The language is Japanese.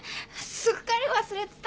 すっかり忘れてた。